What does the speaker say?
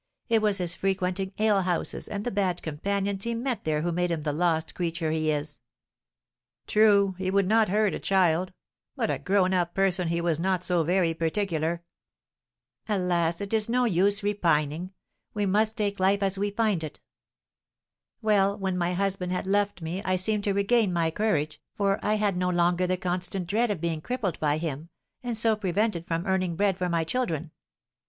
It was his frequenting alehouses, and the bad companions he met there who made him the lost creature he is." "True, he would not hurt a child; but a grown up person he was not so very particular." [Illustration: "Then Left Me" Original Etching by Adrian Marcel] "Alas, it is no use repining! We must take life as we find it. Well, when my husband had left me I seemed to regain my courage, for I had no longer the constant dread of being crippled by him, and so prevented from earning bread for my children.